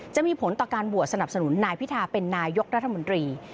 จะมีผลต่อการโหวตสนับสนุนนายพิธาเป็นนายกรัฐมนตรี